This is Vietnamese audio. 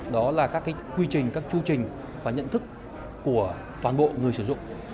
đó là các cái quy trình các chư trình và nhận thức của toàn bộ người sử dụng